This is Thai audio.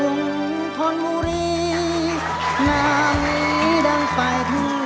กรุงทอนหมู่เรียนนามดังไฟทั่วทิม